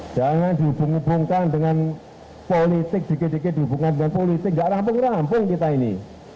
jangan dihubungkan dengan politik dihubungkan dengan politik gak rampung rampung kita ini